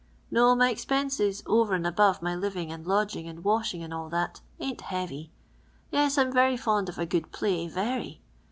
" No, ray expenses, over and above my living and lodging and washing, and all that, aiu'tkeavy. Yes, I 'm very fond of a good pky, very.